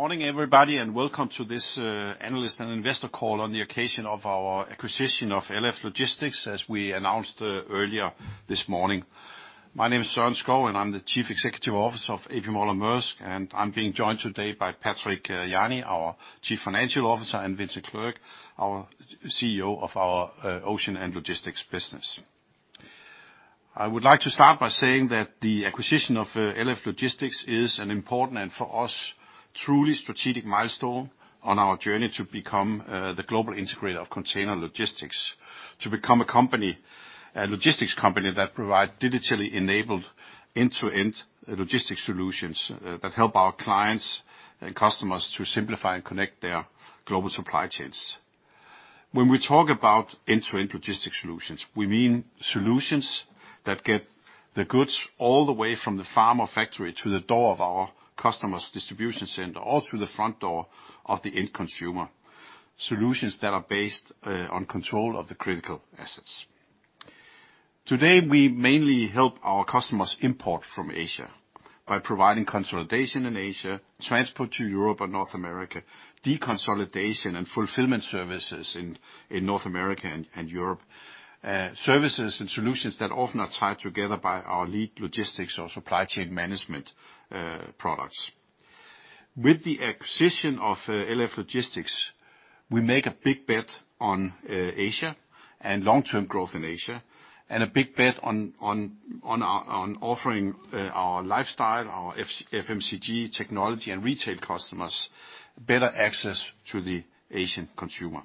Good morning, everybody, and welcome to this analyst and investor call on the occasion of our acquisition of LF Logistics, as we announced earlier this morning. My name is Søren Skou, and I'm the Chief Executive Officer of A.P. Moller - Maersk, and I'm being joined today by Patrick Jany, our Chief Financial Officer, and Vincent Clerc, our CEO of our Ocean and Logistics business. I would like to start by saying that the acquisition of LF Logistics is an important and, for us, truly strategic milestone on our journey to become the global integrator of container logistics. To become a company, a logistics company that provide digitally enabled end-to-end logistics solutions that help our clients and customers to simplify and connect their global supply chains. When we talk about end-to-end logistics solutions, we mean solutions that get the goods all the way from the farm or factory to the door of our customer's distribution center, or through the front door of the end consumer. Solutions that are based on control of the critical assets. Today, we mainly help our customers import from Asia by providing consolidation in Asia, transport to Europe or North America, deconsolidation and fulfillment services in North America and Europe. Services and solutions that often are tied together by our lead logistics or supply chain management products. With the acquisition of LF Logistics, we make a big bet on Asia and long-term growth in Asia, and a big bet on offering our lifestyle, our FMCG technology and retail customers better access to the Asian consumer.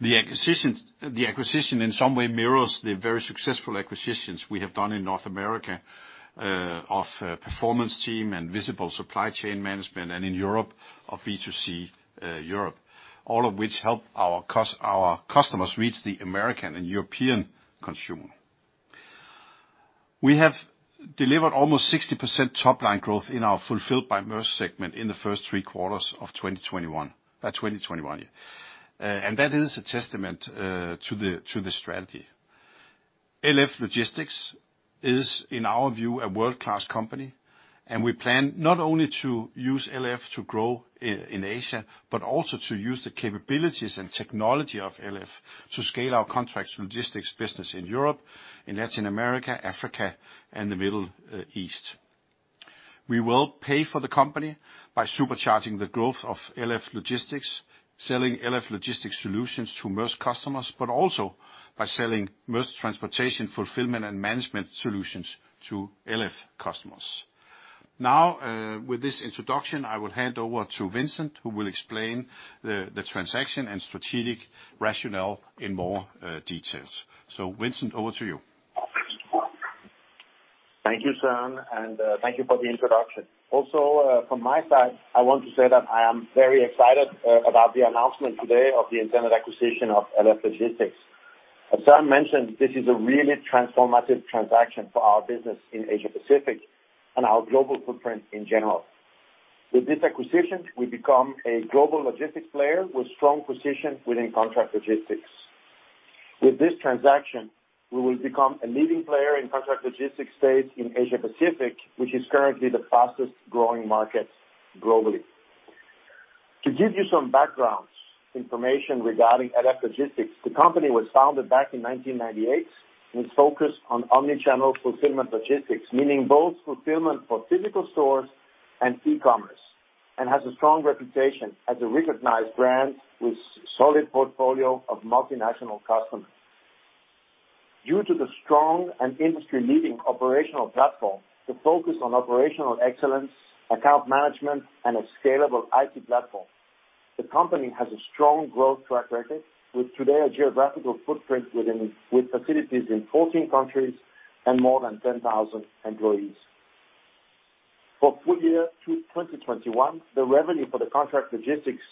The acquisitions, the acquisition in some way mirrors the very successful acquisitions we have done in North America of Performance Team and Visible Supply Chain Management, and in Europe, of B2C Europe, all of which help our customers reach the American and European consumer. We have delivered almost 60% top-line growth in our Fulfilled by Maersk segment in the first three quarters of 2021. That is a testament to the strategy. LF Logistics is, in our view, a world-class company, and we plan not only to use LF to grow in Asia, but also to use the capabilities and technology of LF to scale our contract logistics business in Europe, in Latin America, Africa, and the Middle East. We will pay for the company by supercharging the growth of LF Logistics, selling LF Logistics solutions to Maersk customers, but also by selling Maersk transportation, fulfillment, and management solutions to LF customers. Now, with this introduction, I will hand over to Vincent, who will explain the transaction and strategic rationale in more details. Vincent, over to you. Thank you, Søren, and thank you for the introduction. Also, from my side, I want to say that I am very excited about the announcement today of the intended acquisition of LF Logistics. As Søren mentioned, this is a really transformative transaction for our business in Asia-Pacific and our global footprint in general. With this acquisition, we become a global logistics player with strong position within contract logistics. With this transaction, we will become a leading player in contract logistics space in Asia-Pacific, which is currently the fastest-growing market globally. To give you some background information regarding LF Logistics, the company was founded back in 1998 and focused on omni-channel fulfillment logistics, meaning both fulfillment for physical stores and e-commerce, and has a strong reputation as a recognized brand with solid portfolio of multinational customers. Due to the strong and industry-leading operational platform, the focus on operational excellence, account management, and a scalable IT platform, the company has a strong growth track record with today a geographical footprint with facilities in 14 countries and more than 10,000 employees. For full year 2021, the revenue for the contract logistics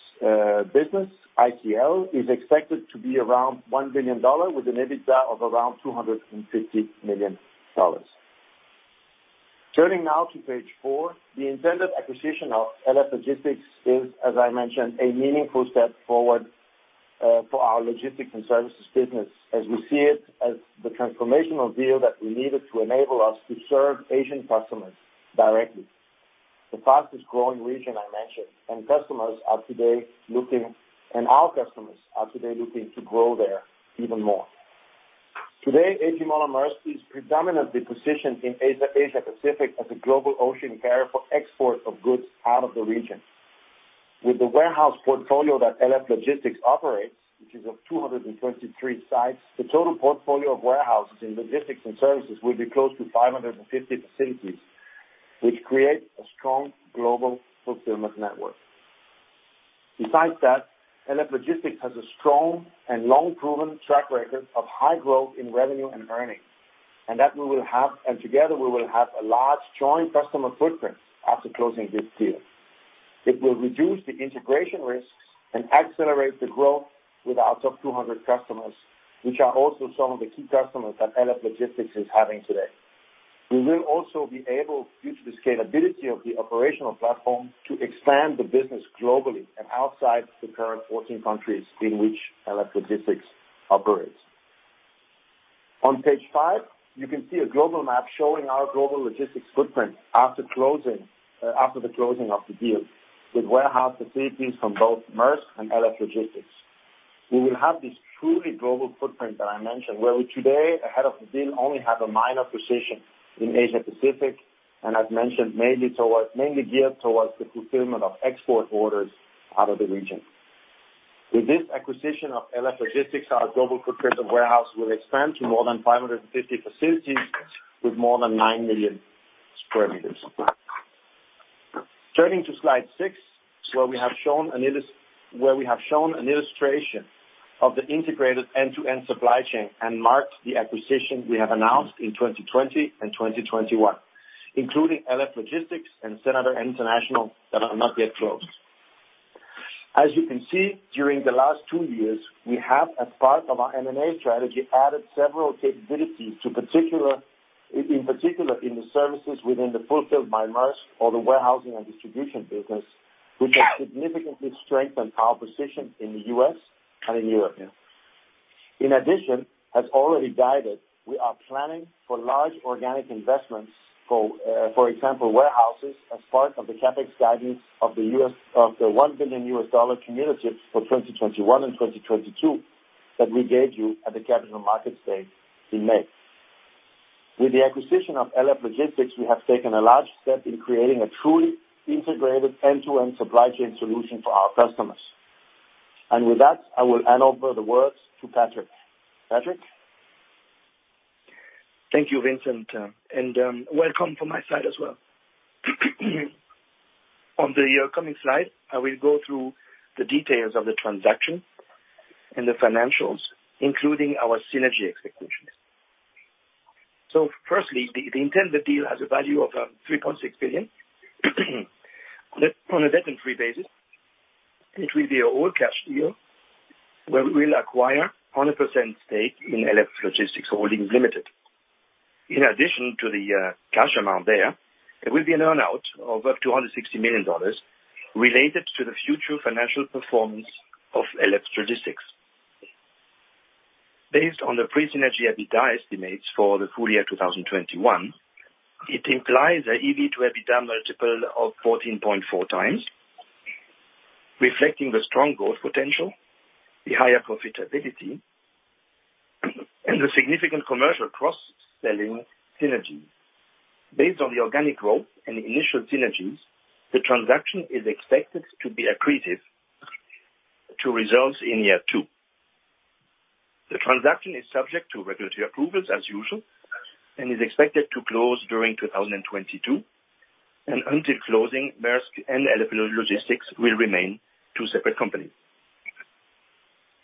business, ICL, is expected to be around $1 billion with an EBITDA of around $250 million. Turning now to page four, the intended acquisition of LF Logistics is, as I mentioned, a meaningful step forward for our Logistics & Services business as we see it as the transformational deal that we needed to enable us to serve Asian customers directly. The fastest-growing region, I mentioned, and our customers are today looking to grow there even more. Today, A.P. Moller - Maersk is predominantly positioned in Asia-Pacific as a global ocean carrier for export of goods out of the region. With the warehouse portfolio that LF Logistics operates, which is of 223 sites, the total portfolio of warehouses in Logistics & Services will be close to 550 facilities, which create a strong global fulfillment network. Besides that, LF Logistics has a strong and long-proven track record of high growth in revenue and earnings, and that we will have, and together, we will have a large joint customer footprint after closing this deal. It will reduce the integration risks and accelerate the growth with our top 200 customers, which are also some of the key customers that LF Logistics is having today. We will also be able, due to the scalability of the operational platform, to expand the business globally and outside the current 14 countries in which LF Logistics operates. On page five, you can see a global map showing our global logistics footprint after closing, after the closing of the deal, with warehouse facilities from both Maersk and LF Logistics. We will have this truly global footprint that I mentioned, where we today ahead of the deal only have a minor position in Asia-Pacific, and as mentioned, mainly geared towards the fulfillment of export orders out of the region. With this acquisition of LF Logistics, our global footprint of warehouse will expand to more than 550 facilities with more than 9 million sq m. Turning to slide six, where we have shown an illustration of the integrated end-to-end supply chain and marked the acquisition we have announced in 2020 and 2021, including LF Logistics and Senator International that are not yet closed. As you can see, during the last two years, we have, as part of our M&A strategy, added several capabilities in particular in the services within the Fulfilled by Maersk or the warehousing and distribution business, which has significantly strengthened our position in the U.S. and in Europe. In addition, as already guided, we are planning for large organic investments for example, warehouses as part of the CapEx guidance of the $1 billion cumulative for 2021 and 2022 that we gave you at the Capital Markets Day in May. With the acquisition of LF Logistics, we have taken a large step in creating a truly integrated end-to-end supply chain solution for our customers. With that, I will hand over the words to Patrick. Patrick? Thank you, Vincent. Welcome from my side as well. On the upcoming slide, I will go through the details of the transaction and the financials, including our synergy expectations. Firstly, the intended deal has a value of $3.6 billion. On a debt-free basis, it will be an all-cash deal where we will acquire 100% stake in LF Logistics Holdings Limited. In addition to the cash amount there will be an earn-out of up to $160 million related to the future financial performance of LF Logistics. Based on the pre-synergy EBITDA estimates for the full year 2021, it implies an EV/EBITDA multiple of 14.4x, reflecting the strong growth potential, the higher profitability, and the significant commercial cross-selling synergies. Based on the organic growth and initial synergies, the transaction is expected to be accretive to results in year two. The transaction is subject to regulatory approvals as usual and is expected to close during 2022. Until closing, Maersk and LF Logistics will remain two separate companies.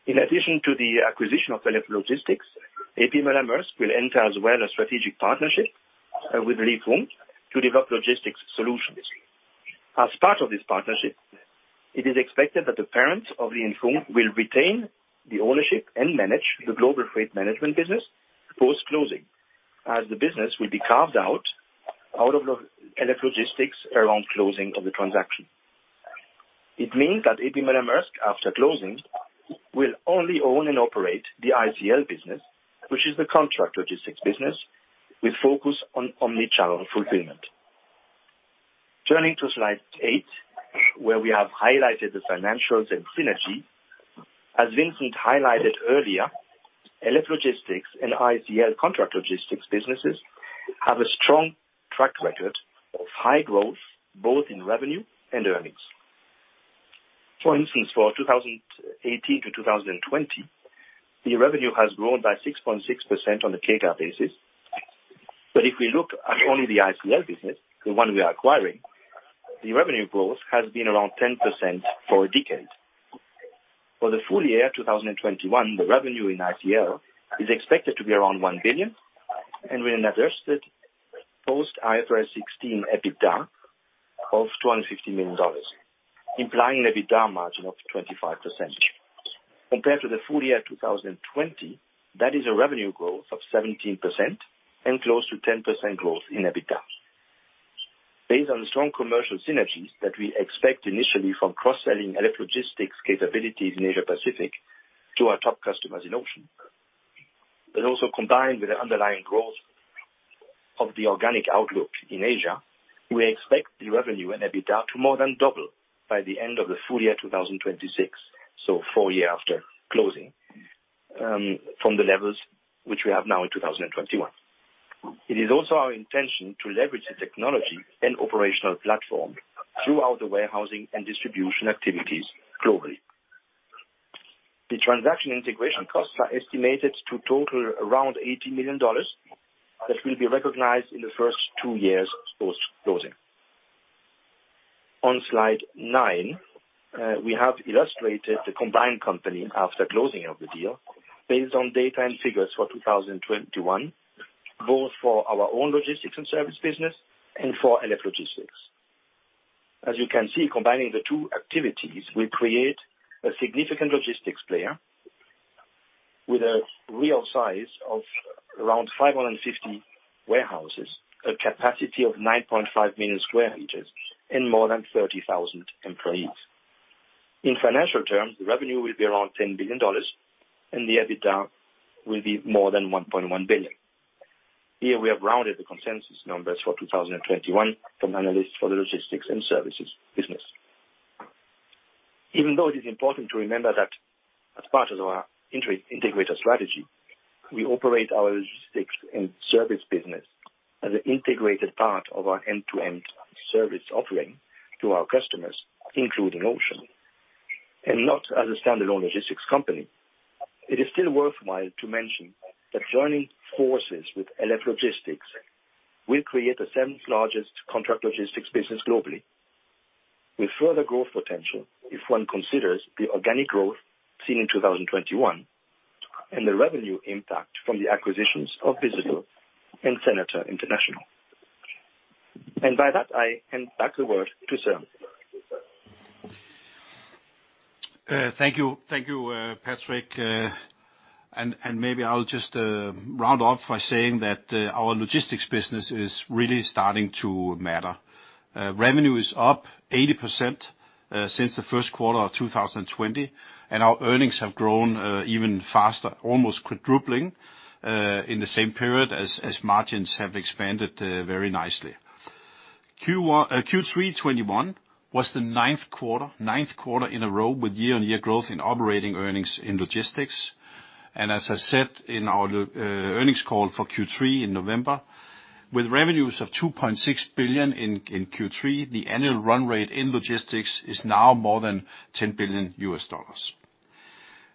In addition to the acquisition of LF Logistics, A.P. Moller - Maersk will enter as well a strategic partnership with Li & Fung to develop logistics solutions. As part of this partnership, it is expected that the parents of Li & Fung will retain the ownership and manage the global freight management business post-closing, as the business will be carved out of the LF Logistics around closing of the transaction. It means that A.P. Moller - Maersk, after closing, will only own and operate the ICL business, which is the contract logistics business, with focus on omnichannel fulfillment. Turning to slide 8, where we have highlighted the financials and synergy. As Vincent highlighted earlier, LF Logistics and ICL contract logistics businesses have a strong track record of high growth, both in revenue and earnings. For instance, for 2018 to 2020, the revenue has grown by 6.6% on a CAGR basis. If we look at only the ICL business, the one we are acquiring, the revenue growth has been around 10% for a decade. For the full year 2021, the revenue in ICL is expected to be around $1 billion and with an adjusted post-IFRS 16 EBITDA of $250 million, implying an EBITDA margin of 25%. Compared to the full year 2020, that is a revenue growth of 17% and close to 10% growth in EBITDA. Based on strong commercial synergies that we expect initially from cross-selling LF Logistics capabilities in Asia-Pacific to our top customers in Ocean. Also combined with the underlying growth of the organic outlook in Asia, we expect the revenue and EBITDA to more than double by the end of the full year 2026, so four years after closing, from the levels which we have now in 2021. It is also our intention to leverage the technology and operational platform throughout the warehousing and distribution activities globally. The transaction integration costs are estimated to total around $80 million that will be recognized in the first two years post-closing. On slide nine, we have illustrated the combined company after closing of the deal based on data and figures for 2021, both for our own logistics and service business and for LF Logistics. As you can see, combining the two activities will create a significant logistics player with a real size of around 550 warehouses, a capacity of 9.5 million sq m and more than 30,000 employees. In financial terms, the revenue will be around $10 billion, and the EBITDA will be more than $1.1 billion. Here, we have rounded the consensus numbers for 2021 from analysts for the logistics and services business. Even though it is important to remember that as part of our integrator strategy, we operate our logistics and service business as an integrated part of our end-to-end service offering to our customers, including ocean, and not as a standalone logistics company. It is still worthwhile to mention that joining forces with LF Logistics will create the seventh-largest contract logistics business globally, with further growth potential if one considers the organic growth seen in 2021 and the revenue impact from the acquisitions of Visible and Senator International. By that, I hand back the word to Søren. Thank you. Thank you, Patrick. And maybe I'll just round off by saying that our logistics business is really starting to matter. Revenue is up 80% since Q1 2020, and our earnings have grown even faster, almost quadrupling in the same period as margins have expanded very nicely. Q3 2021 was the ninth quarter in a row with year-on-year growth in operating earnings in logistics. As I said in our earnings call for Q3 in November, with revenues of $2.6 billion in Q3, the annual run rate in logistics is now more than $10 billion.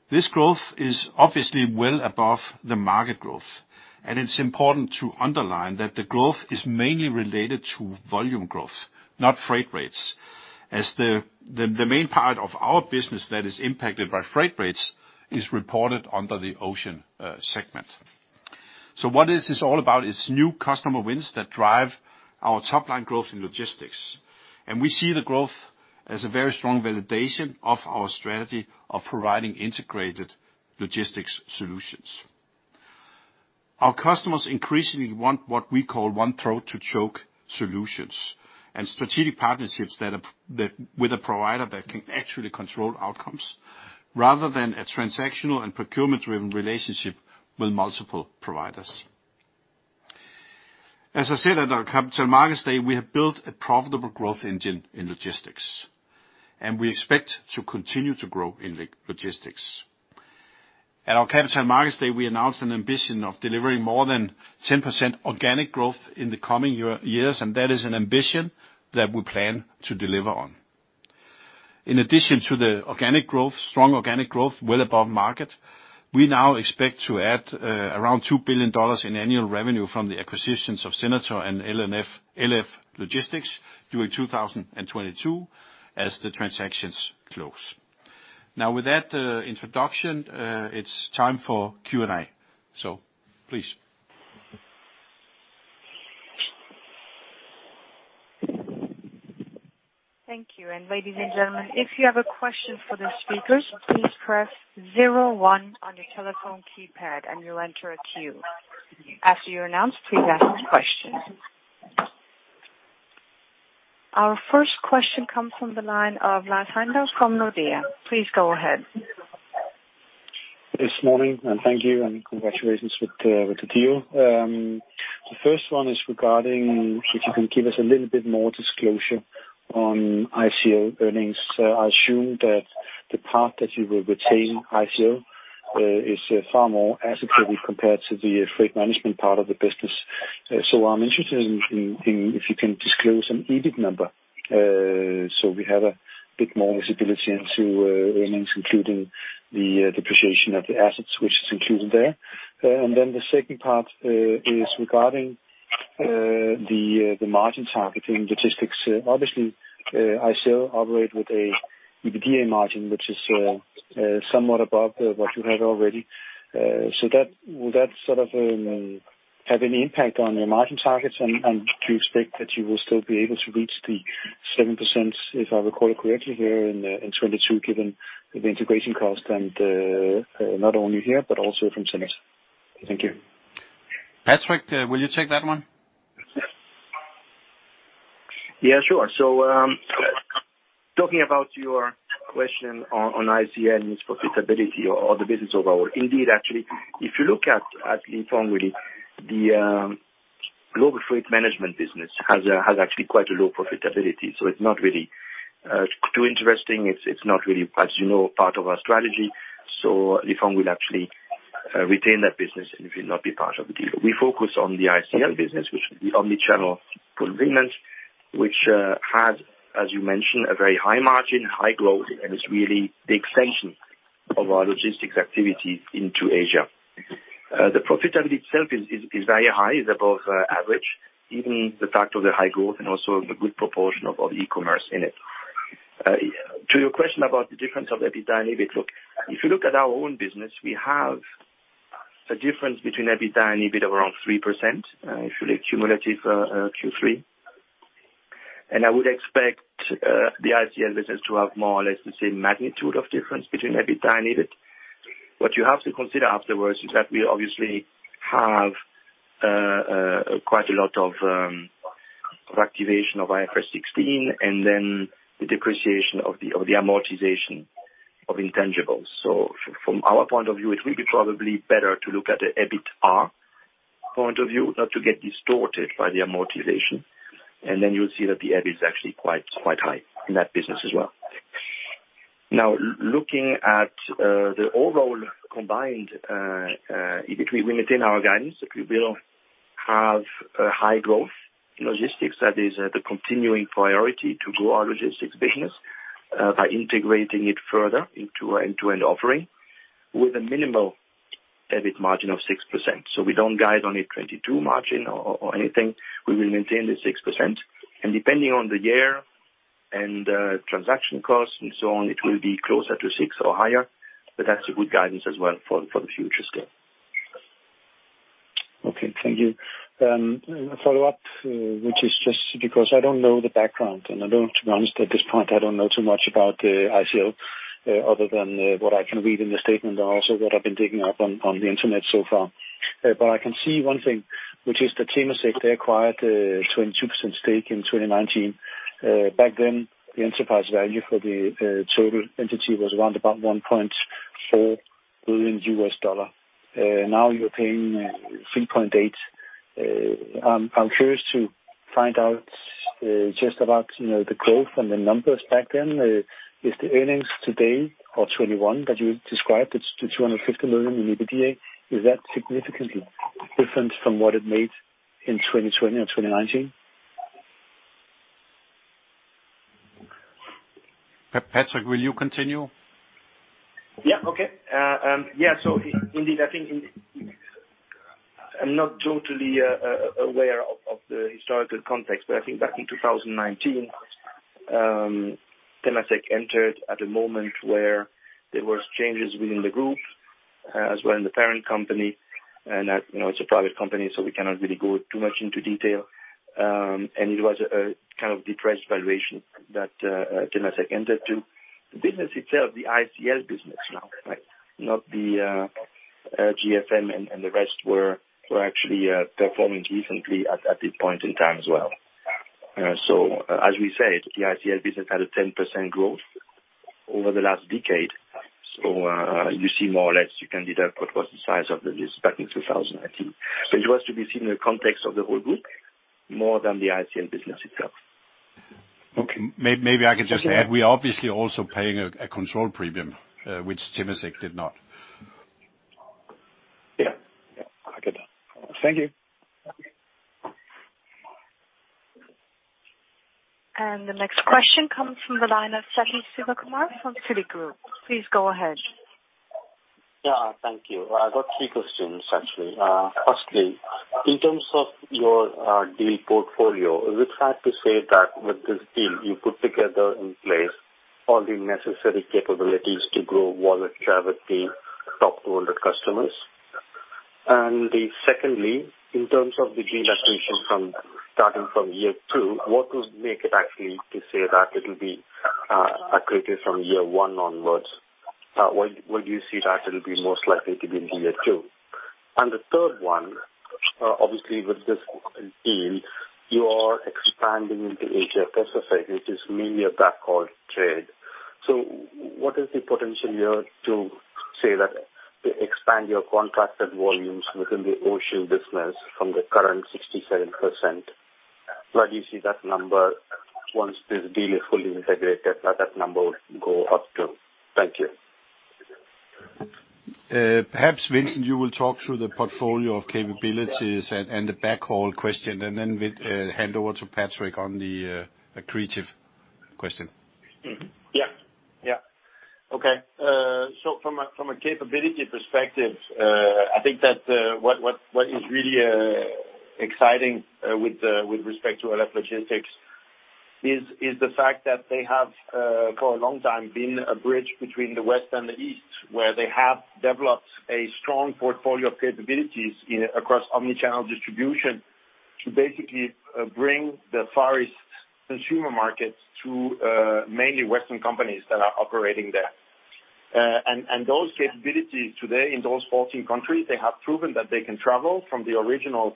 This growth is obviously well above the market growth, and it's important to underline that the growth is mainly related to volume growth, not freight rates, as the main part of our business that is impacted by freight rates is reported under the ocean segment. What is this all about? It's new customer wins that drive our top-line growth in logistics. We see the growth as a very strong validation of our strategy of providing integrated logistics solutions. Our customers increasingly want what we call one throat to choke solutions and strategic partnerships that with a provider that can actually control outcomes rather than a transactional and procurement-driven relationship with multiple providers. As I said at our Capital Markets Day, we have built a profitable growth engine in logistics, and we expect to continue to grow in logistics. At our Capital Markets Day, we announced an ambition of delivering more than 10% organic growth in the coming years, and that is an ambition that we plan to deliver on. In addition to the organic growth, strong organic growth, well above market, we now expect to add around $2 billion in annual revenue from the acquisitions of Senator and LF Logistics during 2022 as the transactions close. Now, with that introduction, it's time for Q&A. Please. Thank you. Ladies and gentlemen, if you have a question for the speakers, please press zero one on your telephone keypad and you'll enter a queue. After you're announced, please ask your question. Our first question comes from the line of Lars Heindorff from Nordea. Please go ahead. This morning, thank you, and congratulations with the deal. The first one is regarding if you can give us a little bit more disclosure on ICL earnings. I assume that the part that you will retain ICL is far more asset-heavy compared to the freight management part of the business. I'm interested in if you can disclose an EBIT number so we have a bit more visibility into earnings, including the depreciation of the assets which is included there. The second part is regarding the margin target in logistics. Obviously, ICL operates with an EBITDA margin, which is somewhat above what you had already. Will that sort of have any impact on your margin targets? Do you expect that you will still be able to reach the 7%, if I recall it correctly here, in 2022, given the integration cost and not only here but also from Senator? Thank you. Patrick, will you take that one? Yeah, sure. Talking about your question on ICL's profitability or the business overall, indeed, actually, if you look at Li & Fung really, the global freight management business has actually quite a low profitability, so it's not really too interesting. It's not really, as you know, part of our Li & Fung will actually retain that business, and it will not be part of the deal. We focus on the ICL business, which is the omnichannel fulfillment, which has, as you mentioned, a very high margin, high growth, and is really the extension of our logistics activity into Asia. The profitability itself is very high. It's above average, given the fact of the high growth and also the good proportion of e-commerce in it. To your question about the difference of EBITDA and EBIT, look, if you look at our own business, we have a difference between EBITDA and EBIT of around 3%, actually cumulative, Q3. I would expect the ICL business to have more or less the same magnitude of difference between EBITDA and EBIT. What you have to consider afterwards is that we obviously have quite a lot of activation of IFRS 16, and then the depreciation of the amortization of intangibles. From our point of view, it will be probably better to look at the EBITA point of view, not to get distorted by the amortization. Then you'll see that the EBIT is actually quite high in that business as well. Now, looking at the overall combined, we maintain our guidance. We will have high growth logistics. That is the continuing priority to grow our logistics business by integrating it further into our end-to-end offering with a minimal EBIT margin of 6%. We don't guide on a 22% margin or anything. We will maintain the 6%. Depending on the year and transaction costs and so on, it will be closer to 6% or higher. That's a good guidance as well for the future scale. Okay, thank you. A follow-up, which is just because I don't know the background and to be honest, at this point, I don't know too much about ICL other than what I can read in the statement and also what I've been digging up on the Internet so far. But I can see one thing, which is that Temasek, they acquired a 22% stake in 2019. Back then, the enterprise value for the total entity was around about $1.4 billion. Now you're paying $3.8 billion. I'm curious to find out just about, you know, the growth and the numbers back then. Is the earnings today or 2021 that you described $250 million in EBITDA. Is that significantly different from what it made in 2020 or 2019? Patrick, will you continue? Indeed, I think in. I'm not totally aware of the historical context, but I think back in 2019, Temasek entered at a moment where there was changes within the group, as well as in the parent company, and that, you know, it's a private company, so we cannot really go too much into detail. It was a kind of depressed valuation that Temasek entered into. The business itself, the ICL business now, right, not the GFM and the rest were actually performing decently at this point in time as well. As we said, the ICL business had a 10% growth over the last decade. You see more or less, you can deduce what was the size of the business back in 2019. It was to be seen in the context of the whole group more than the ICL business itself. Okay. Maybe I can just add, we are obviously also paying a control premium, which Temasek did not. Yeah. Yeah. I get that. Thank you. The next question comes from the line of Sathish Sivakumar from Citigroup. Please go ahead. Yeah, thank you. I've got three questions, actually. Firstly, in terms of your deal portfolio, is it fair to say that with this deal you put together in place all the necessary capabilities to grow wallet share with the top holder customers? Secondly, in terms of the deal accretion starting from year two, what would make it actually to say that it'll be accretive from year one onwards? Why do you see that it'll be most likely to be in year two? The third one, obviously with this deal, you are expanding into Asia Pacific, which is mainly a backhaul trade. So what is the potential here to say that you expand your contracted volumes within the ocean business from the current 67%? Where do you see that number, once this deal is fully integrated, where that number would go up to? Thank you. Perhaps, Vincent, you will talk through the portfolio of capabilities and the backhaul question, and then we hand over to Patrick on the accretive question. Yeah. Yeah. Okay. From a capability perspective, I think that what is really exciting with respect to LF Logistics is the fact that they have for a long time been a bridge between the West and the East, where they have developed a strong portfolio of capabilities across omnichannel distribution to basically bring the Far East consumer markets to mainly Western companies that are operating there. Those capabilities today in those 14 countries, they have proven that they can travel from the original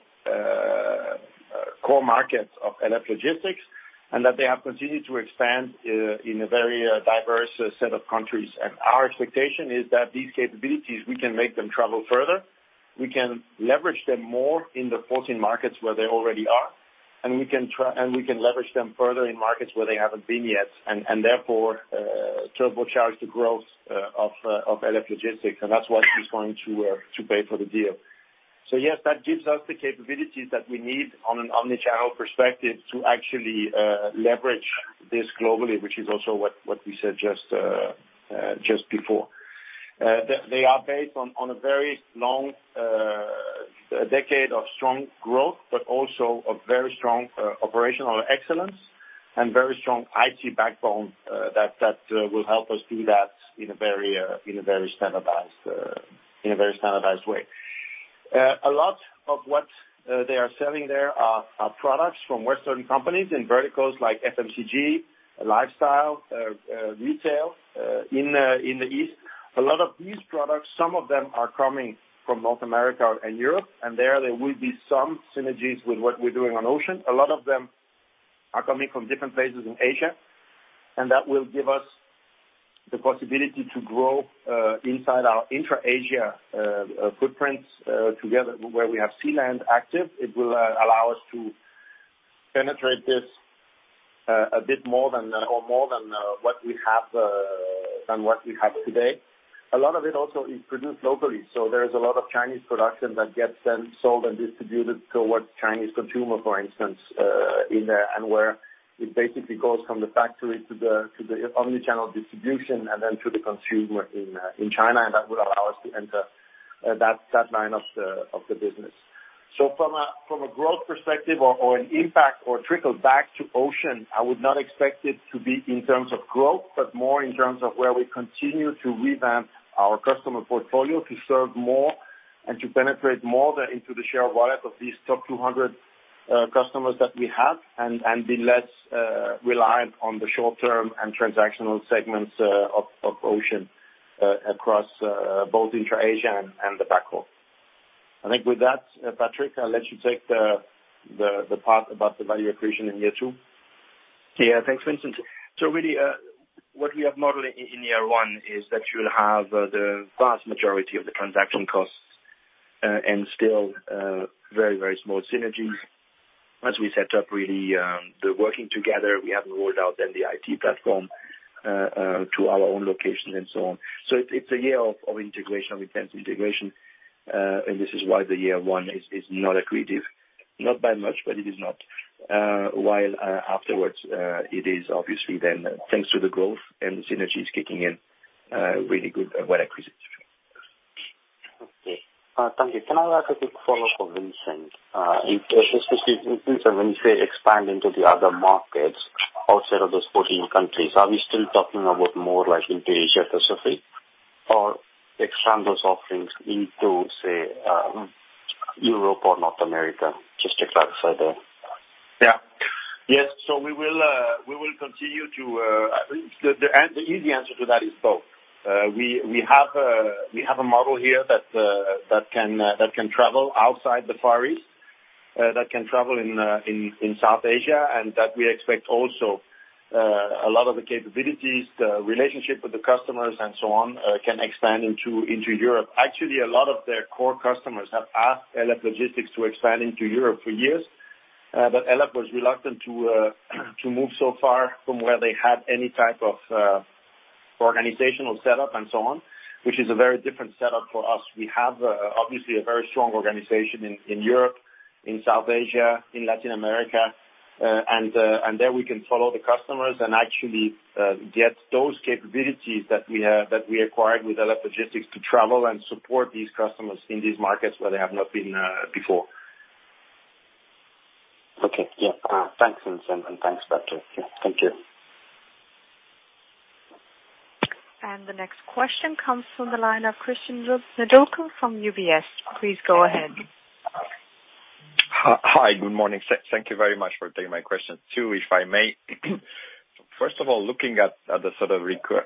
core markets of LF Logistics, and that they have continued to expand in a very diverse set of countries. Our expectation is that these capabilities, we can make them travel further. We can leverage them more in the 14 markets where they already are, and we can leverage them further in markets where they haven't been yet. Therefore, turbocharge the growth of LF Logistics, and that's what is going to pay for the deal. Yes, that gives us the capabilities that we need on an omni-channel perspective to actually leverage this globally, which is also what we said just before. They are based on a very long decade of strong growth, but also a very strong operational excellence and very strong IT backbone that will help us do that in a very standardized way. A lot of what they are selling there are products from Western companies in verticals like FMCG, lifestyle, retail, in the East. A lot of these products, some of them are coming from North America and Europe, and there will be some synergies with what we're doing on ocean. A lot of them are coming from different places in Asia, and that will give us the possibility to grow inside our intra-Asia footprints together where we have Sealand active. It will allow us to penetrate this a bit more than what we have today. A lot of it also is produced locally. There is a lot of Chinese production that gets then sold and distributed towards Chinese consumer, for instance, in and where it basically goes from the factory to the omnichannel distribution and then to the consumer in China. That will allow us to enter that line of the business. From a growth perspective or an impact or trickle back to ocean, I would not expect it to be in terms of growth, but more in terms of where we continue to revamp our customer portfolio to serve more and to penetrate more into the share of wallet of these top 200 customers that we have and be less reliant on the short-term and transactional segments of ocean across both intra-Asia and the backhaul. I think with that, Patrick, I'll let you take the part about the value accretion in year two. Yeah. Thanks, Vincent. Really, what we have modeled in year one is that you'll have the vast majority of the transaction costs and still very small synergies. Once we set up really the working together, we haven't rolled out then the IT platform to our own location and so on. It's a year of integration, of intense integration, and this is why the year one is not accretive, not by much, but it is not while afterwards it is obviously then, thanks to the growth and synergies kicking in, really good, well accretive. Okay. Thank you. Can I ask a quick follow-up for Vincent? If Vincent, when you say expand into the other markets outside of those 14 countries, are we still talking about more like into Asia-Pacific or expand those offerings into, say, Europe or North America? Just to clarify the- We will continue to. I think the easy answer to that is both. We have a model here that can travel outside the Far East, that can travel in South Asia, and that we expect also a lot of the capabilities, the relationship with the customers and so on can expand into Europe. Actually, a lot of their core customers have asked LF Logistics to expand into Europe for years. Li & Fung was reluctant to move so far from where they had any type of organizational setup and so on, which is a very different setup for us. We have obviously a very strong organization in Europe, in South Asia, in Latin America. There we can follow the customers and actually get those capabilities that we have, that we acquired with LF Logistics to travel and support these customers in these markets where they have not been before. Okay. Yeah. Thanks, Vincent, and thanks, Patrick. Yeah. Thank you. The next question comes from the line of Cristian Nedelcu from UBS. Please go ahead. Hi. Good morning. Thank you very much for taking my question. Two, if I may. First of all, looking at the sort of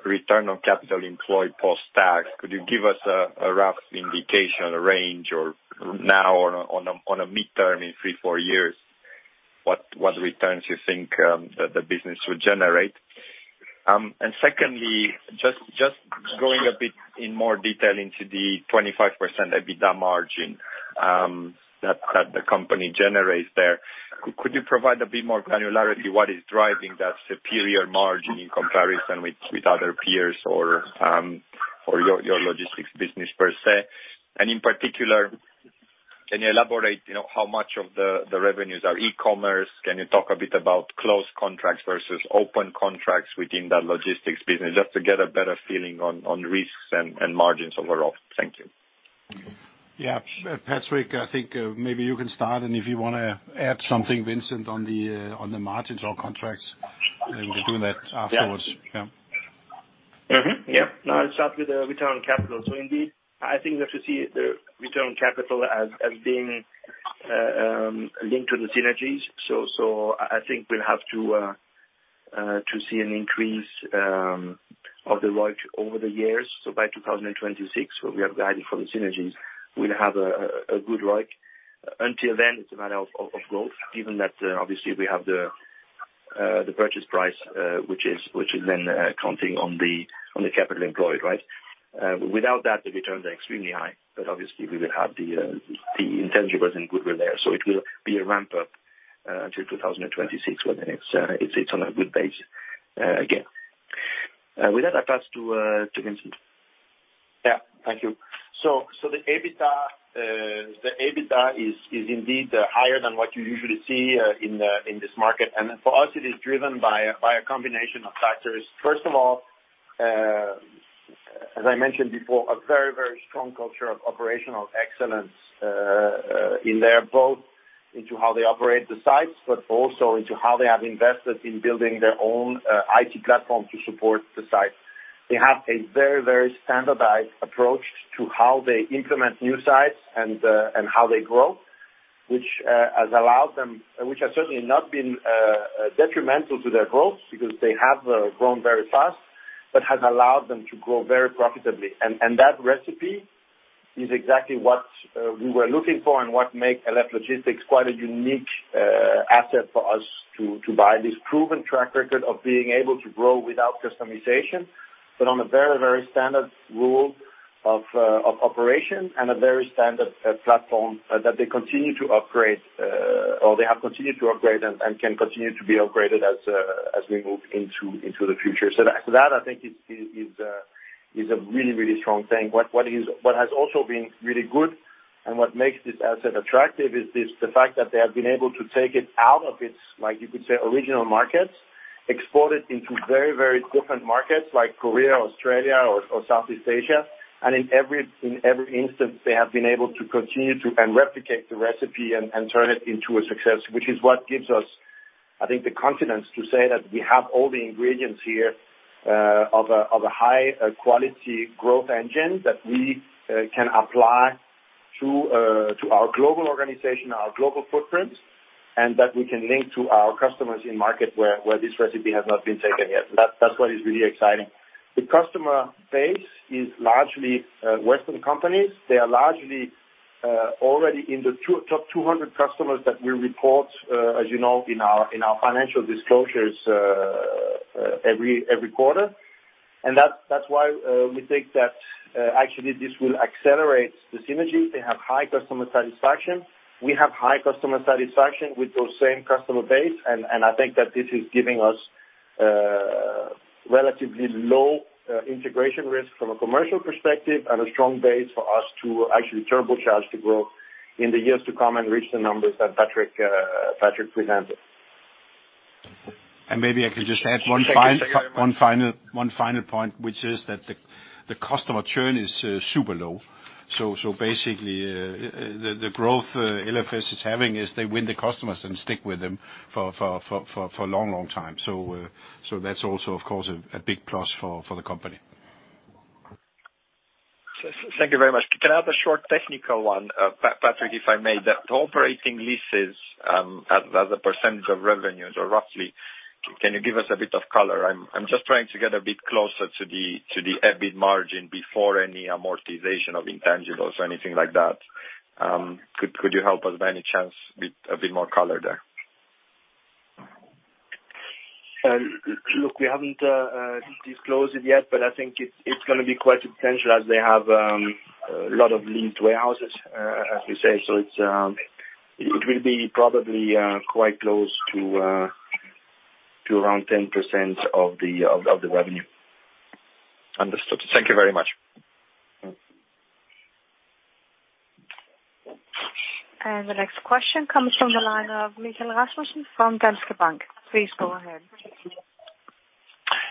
return on capital employed post-tax, could you give us a rough indication or range or now on a midterm in three, four years, what returns you think the business will generate? Secondly, going a bit in more detail into the 25% EBITDA margin that the company generates there, could you provide a bit more granularity, what is driving that superior margin in comparison with other peers or your logistics business per se? In particular, can you elaborate, you know, how much of the revenues are e-commerce? Can you talk a bit about close contracts versus open contracts within the logistics business, just to get a better feeling on risks and margins overall? Thank you. Yeah. Patrick, I think, maybe you can start, and if you wanna add something, Vincent, on the, on the margins or contracts, then we can do that afterwards. Yeah. Yeah. No, I'll start with the return on capital. Indeed, I think that you see the return on capital as being linked to the synergies. I think we'll have to see an increase of the ROIC over the years. By 2026, where we have guided for the synergies, we'll have a good ROIC. Until then, it's a matter of growth, given that obviously we have the purchase price which is then counting on the capital employed, right? Without that, the returns are extremely high, but obviously we will have the intangibles and goodwill there. It will be a ramp-up until 2026 when it's on a good base again. With that, I pass to Vincent. Yeah. Thank you. The EBITDA is indeed higher than what you usually see in this market. For us, it is driven by a combination of factors. First of all, as I mentioned before, a very strong culture of operational excellence in there, both into how they operate the sites, but also into how they have invested in building their own IT platform to support the sites. They have a very standardized approach to how they implement new sites and how they grow. Which has certainly not been detrimental to their growth because they have grown very fast, but has allowed them to grow very profitably. That recipe is exactly what we were looking for and what make LF Logistics quite a unique asset for us to buy. This proven track record of being able to grow without customization, but on a very standard rule of operation and a very standard platform that they continue to upgrade or they have continued to upgrade and can continue to be upgraded as we move into the future. That I think is a really strong thing. What has also been really good and what makes this asset attractive is the fact that they have been able to take it out of its, like you could say, original markets, export it into very, very different markets like Korea or Australia or Southeast Asia, and in every instance, they have been able to continue to and replicate the recipe and turn it into a success. Which is what gives us, I think, the confidence to say that we have all the ingredients here of a high quality growth engine that we can apply to our global organization, our global footprint, and that we can link to our customers in market where this recipe has not been taken yet. That's what is really exciting. The customer base is largely Western companies. They are largely already in the top 200 customers that we report, as you know, in our financial disclosures every quarter. That's why we think that actually this will accelerate the synergy. They have high customer satisfaction. We have high customer satisfaction with those same customer base. I think that this is giving us relatively low integration risk from a commercial perspective and a strong base for us to actually turbocharge the growth in the years to come and reach the numbers that Patrick presented. Maybe I could just add one final point, which is that the customer churn is super low. So basically, the growth LFS is having is they win the customers and stick with them for a long time. So that's also, of course, a big plus for the company. Thank you very much. Can I have a short technical one, Patrick, if I may? The operating leases, as a percentage of revenues or roughly, can you give us a bit of color? I'm just trying to get a bit closer to the EBIT margin before any amortization of intangibles or anything like that. Could you help us by any chance with a bit more color there? Look, we haven't disclosed it yet, but I think it's gonna be quite substantial as they have a lot of linked warehouses, as we say. It will probably be quite close to around 10% of the revenue. Understood. Thank you very much. The next question comes from the line of Michael Vitfell-Rasmussen from Danske Bank. Please go ahead.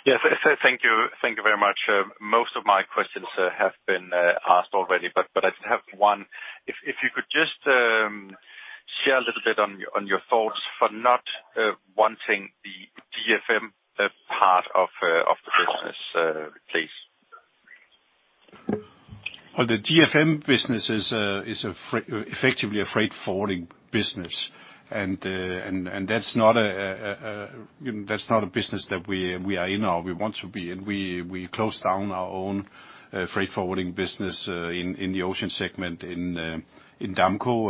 Yes, thank you. Thank you very much. Most of my questions have been asked already, but I did have one. If you could just share a little bit on your thoughts for not wanting the GFM part of the business, please. Well, the GFM business is effectively a freight forwarding business. That's not a business, you know, that we are in or we want to be in. We closed down our own freight forwarding business in the ocean segment in Damco.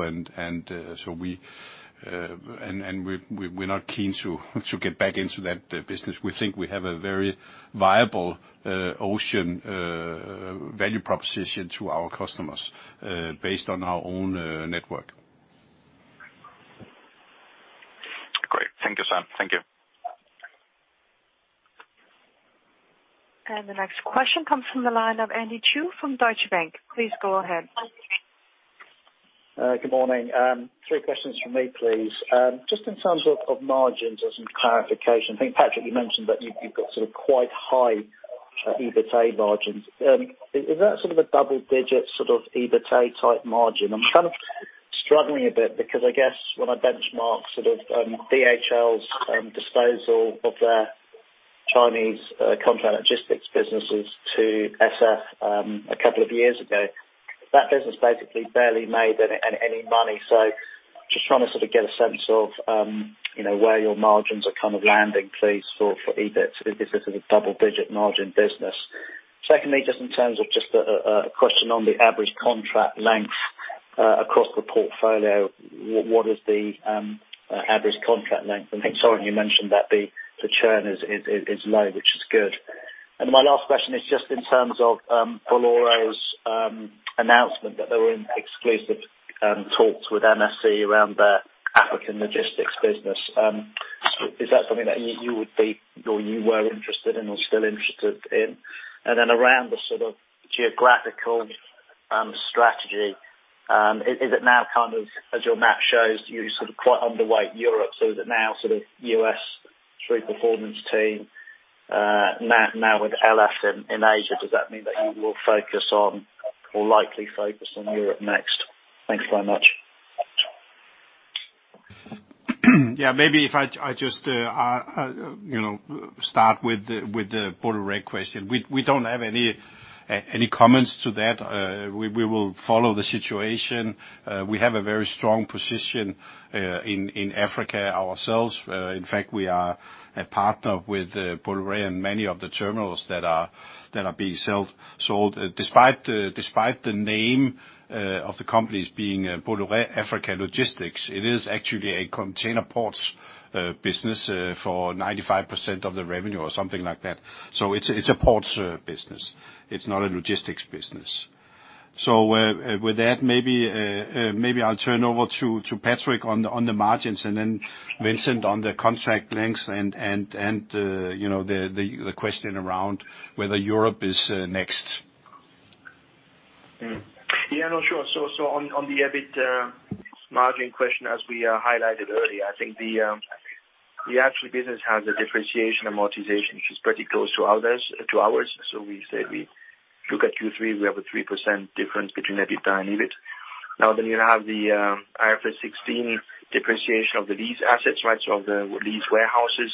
We're not keen to get back into that business. We think we have a very viable ocean value proposition to our customers based on our own network. Great. Thank you, sir. Thank you. The next question comes from the line of Andy Chu from Deutsche Bank. Please go ahead. Good morning. Three questions from me, please. Just in terms of margins as in clarification, I think, Patrick, you mentioned that you've got sort of quite high EBITA margins. Is that sort of a double-digit sort of EBITA type margin? I'm kind of struggling a bit because I guess when I benchmark sort of DHL's disposal of their Chinese contract logistics businesses to SF a couple of years ago, that business basically barely made any money. Just trying to sort of get a sense of you know where your margins are kind of landing, please, for EBIT, if this is a double-digit margin business. Secondly, just in terms of just a question on the average contract length across the portfolio, what is the average contract length? I'm sorry, you mentioned that the churn is low, which is good. My last question is just in terms of Bolloré's announcement that they were in exclusive talks with MSC around their African logistics business. Is that something that you would be or you were interested in or still interested in? Then around the sort of geographical strategy, is it now kind of as your map shows, you're sort of quite underweight Europe, so is it now sort of U.S. through Performance Team, now with LF in Asia, does that mean that you will focus on or likely focus on Europe next? Thanks very much. Yeah, maybe if I just, you know, start with the Bolloré question. We don't have any comments to that. We will follow the situation. We have a very strong position in Africa ourselves. In fact, we are a partner with Bolloré and many of the terminals that are being sold. Despite the name of the companies being Bolloré Africa Logistics, it is actually a container ports business for 95% of the revenue or something like that. So it's a ports business. It's not a logistics business. With that, maybe I'll turn over to Patrick on the margins, and then Vincent on the contract lengths and, you know, the question around whether Europe is next. Yeah, no, sure. On the EBIT margin question, as we highlighted earlier, I think the actual business has a depreciation amortization, which is pretty close to others, to ours. We say we look at Q3, we have a 3% difference between EBITDA and EBIT. Now, then you have the IFRS 16 depreciation of the lease assets, right? Of the lease warehouses.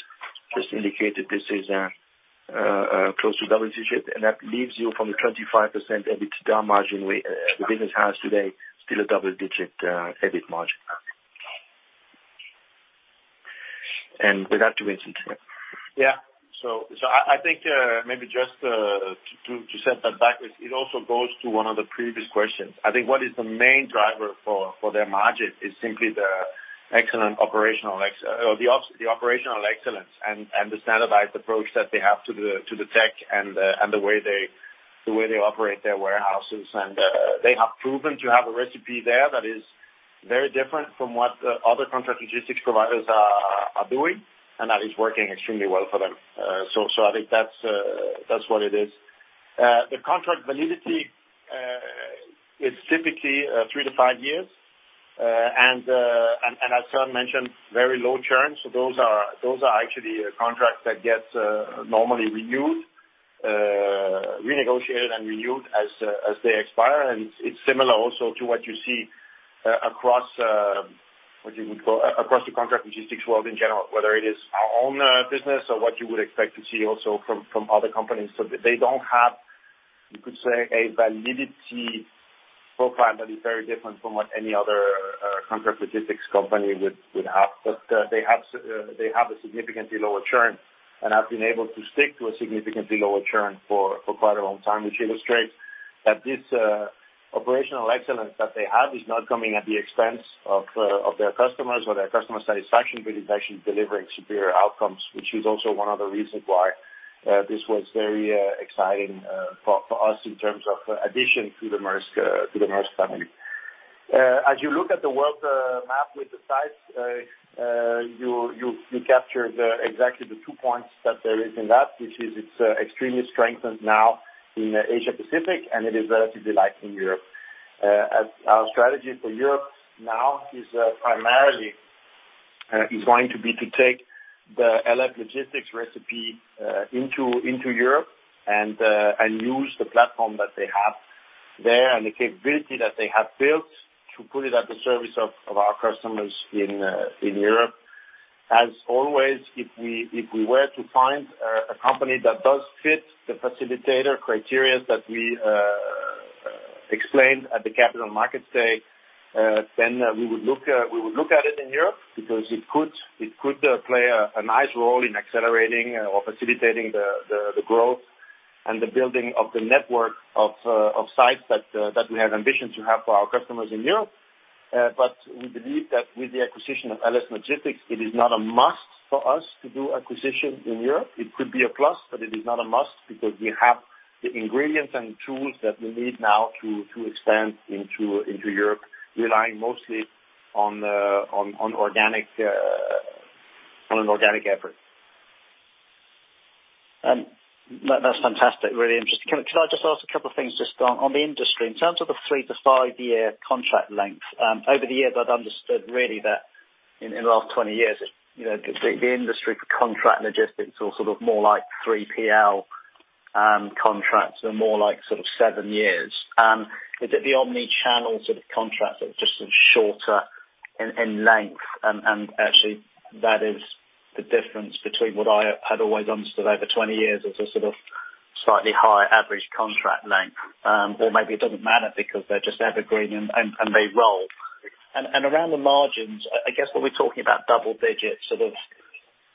Just indicate that this is close to double digit, and that leaves you from the 25% EBITDA margin the business has today, still a double digit EBIT margin. With that to Vincent. I think maybe just to set that back, it also goes to one of the previous questions. I think what is the main driver for their margin is simply the excellent operational excellence and the standardized approach that they have to the tech and the way they operate their warehouses. They have proven to have a recipe there that is very different from what other contract logistics providers are doing, and that is working extremely well for them. I think that's what it is. The contract validity is typically three to five years. As Søren mentioned, very low churn. Those are actually a contract that gets normally renewed, renegotiated, and renewed as they expire. It's similar also to what you see across what you would call the contract logistics world in general, whether it is our own business or what you would expect to see also from other companies. They don't have, you could say, a validity profile that is very different from what any other contract logistics company would have. They have a significantly lower churn, and have been able to stick to a significantly lower churn for quite a long time, which illustrates that this operational excellence that they have is not coming at the expense of their customers or their customer satisfaction, but it's actually delivering superior outcomes, which is also one of the reasons why this was very exciting for us in terms of addition to the Maersk family. As you look at the world map with the sites, you'll capture exactly the two points that there is in that, which is it's extremely strengthened now in Asia-Pacific, and it is relatively light in Europe. As our strategy for Europe now is primarily is going to be to take the LF Logistics recipe into Europe and use the platform that they have there and the capability that they have built to put it at the service of our customers in Europe. As always, if we were to find a company that does fit the facilitator criteria that we explained at the Capital Markets Day, then we would look at it in Europe because it could play a nice role in accelerating or facilitating the growth and the building of the network of sites that we have ambition to have for our customers in Europe. We believe that with the acquisition of LF Logistics, it is not a must for us to do acquisition in Europe. It could be a plus, but it is not a must because we have the ingredients and tools that we need now to expand into Europe, relying mostly on an organic effort. That's fantastic. Really interesting. Can I just ask a couple of things just on the industry. In terms of the three to five year contract length, over the years, I've understood really that in the last 20 years, you know, the industry for contract logistics or sort of more like 3PL contracts are more like sort of seven years. Is it the omni-channel sort of contracts that are just sort of shorter in length, and actually that is the difference between what I have always understood over 20 years as a sort of slightly higher average contract length? Or maybe it doesn't matter because they're just evergreen and they roll. Around the margins, I guess when we're talking about double-digit sort of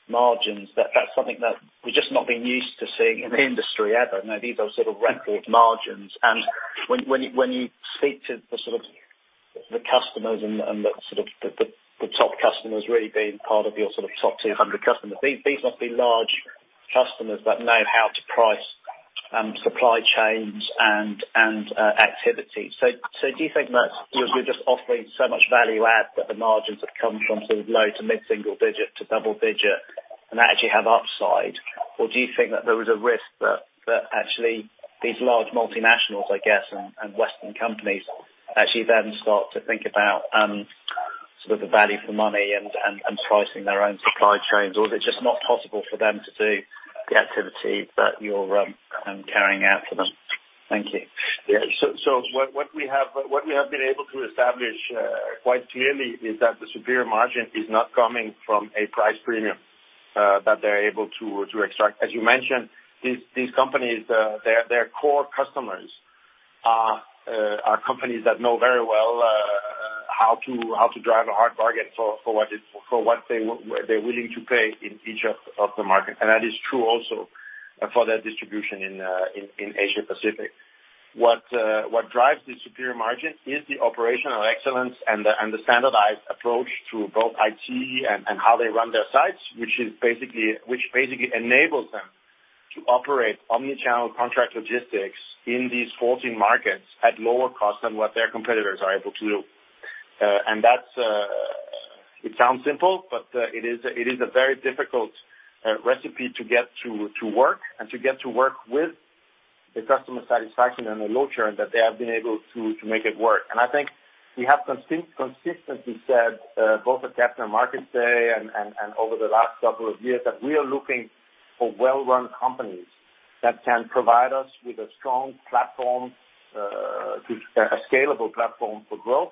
margins, that's something that we've just not been used to seeing in the industry ever. You know, these are sort of record margins. When you speak to the sort of customers and the sort of top customers really being part of your sort of top 200 customers, these must be large customers that know how to price supply chains and activities. Do you think that you're just offering so much value add that the margins have come from sort of low- to mid-single-digit% to double-digit% and actually have upside? Do you think that there is a risk that actually these large multinationals, I guess, and Western companies actually then start to think about sort of the value for money and pricing their own supply chains? Is it just not possible for them to do the activity that you're carrying out for them? Thank you. Yeah. What we have been able to establish quite clearly is that the superior margin is not coming from a price premium that they're able to extract. As you mentioned, these companies their core customers are companies that know very well how to drive a hard bargain for what they're willing to pay in each of the market. That is true also for their distribution in Asia Pacific. What drives the superior margin is the operational excellence and the standardized approach to both IT and how they run their sites, which basically enables them to operate omni-channel contract logistics in these 14 markets at lower cost than what their competitors are able to do. It sounds simple, but it is a very difficult recipe to get to work and to get to work with the customer satisfaction and the long-term that they have been able to make it work. I think we have consistently said both at Capital Markets Day and over the last couple of years that we are looking for well-run companies that can provide us with a strong platform, a scalable platform for growth.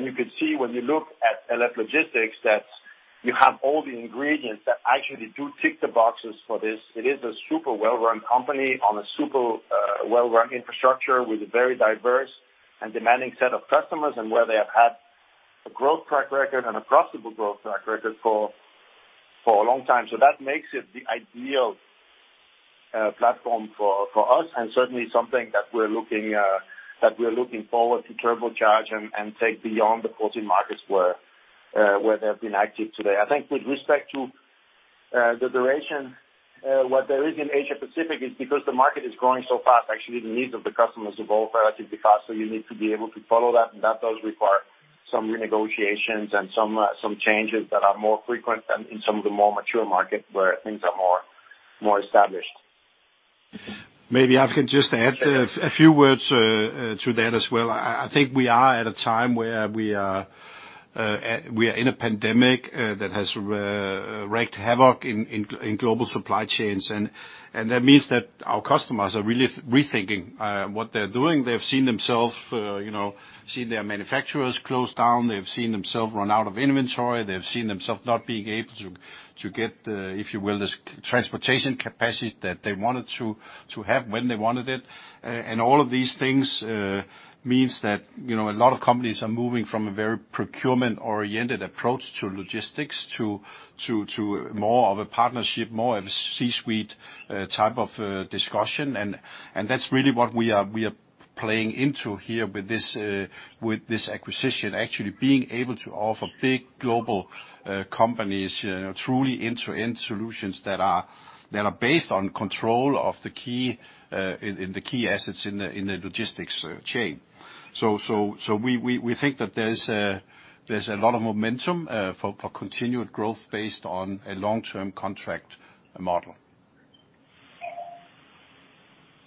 You can see when you look at LF Logistics that you have all the ingredients that actually do tick the boxes for this. It is a super well-run company on a super well-run infrastructure with a very diverse and demanding set of customers and where they have had a growth track record and a profitable growth track record for a long time. That makes it the ideal platform for us, and certainly something that we're looking forward to turbocharge and take beyond the 14 markets where they've been active today. I think with respect to the duration, what there is in Asia Pacific is because the market is growing so fast, actually the needs of the customers evolve relatively fast. You need to be able to follow that, and that does require some renegotiations and some changes that are more frequent than in some of the more mature markets where things are more established. Maybe I can just add a few words to that as well. I think we are at a time where we are in a pandemic that has wreaked havoc in global supply chains. That means that our customers are really rethinking what they're doing. They've seen, you know, their manufacturers close down. They've seen themselves run out of inventory. They've seen themselves not being able to get the, if you will, this transportation capacity that they wanted to have when they wanted it. All of these things means that, you know, a lot of companies are moving from a very procurement-oriented approach to logistics to more of a partnership, more of a C-suite type of discussion. That's really what we are playing into here with this acquisition, actually being able to offer big global companies truly end-to-end solutions that are based on control of the key assets in the logistics chain. We think that there's a lot of momentum for continued growth based on a long-term contract model.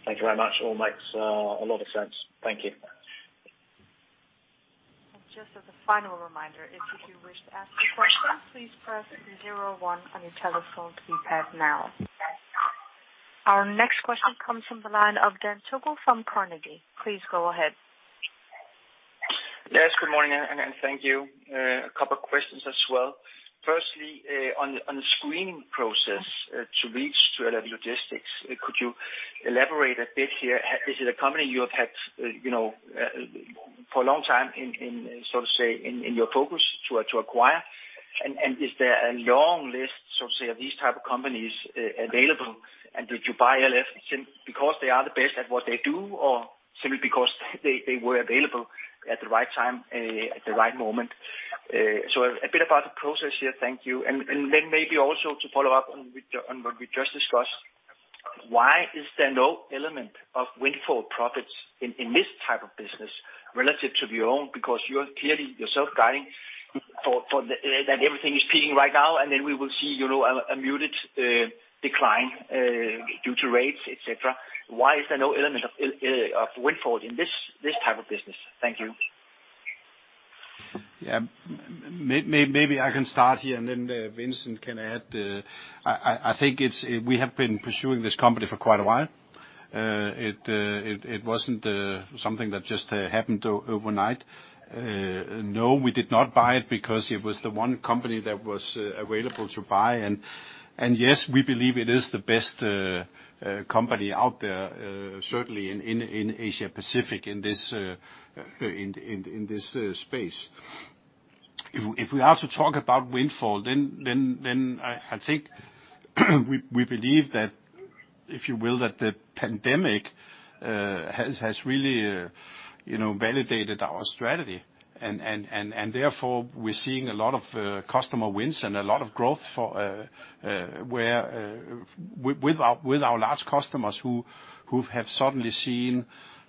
Thank you very much. All makes a lot of sense. Thank you. Our next question comes from the line of Dan Togo Jensen from Carnegie. Please go ahead. Yes, good morning, and thank you. A couple questions as well. Firstly, on the screening process to reach LF Logistics, could you elaborate a bit here? Is it a company you have had, you know, for a long time in, so to say, in your focus to acquire? Is there a long list, so to say, of these type of companies available, and did you buy LF Logistics because they are the best at what they do, or simply because they were available at the right time, at the right moment? A bit about the process here. Thank you. Maybe also to follow up on what we just discussed, why is there no element of windfall profits in this type of business relative to your own? Because you are clearly yourself guiding for that everything is peaking right now, and then we will see, you know, a muted decline due to rates, et cetera. Why is there no element of windfall in this type of business? Thank you. Yeah. Maybe I can start here, and then Vincent can add. I think we have been pursuing this company for quite a while. It wasn't something that just happened overnight. No, we did not buy it because it was the one company that was available to buy. Yes, we believe it is the best company out there, certainly in Asia Pacific in this space. If we are to talk about windfall, then I think we believe that, if you will, that the pandemic has really, you know, validated our strategy. Therefore, we're seeing a lot of customer wins and a lot of growth with our large customers who have suddenly seen